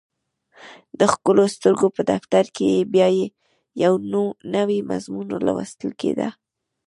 د ښکلو سترګو په دفتر کې یې بیا یو نوی مضمون لوستل کېده